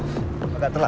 tidak ada yang bisa dikira